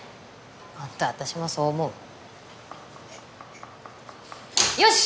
ほんと私もそう思うよし！